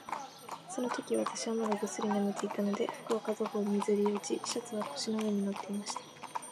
そのとき、私はまだぐっすり眠っていたので、服は片方にずり落ち、シャツは腰の上に載っていました。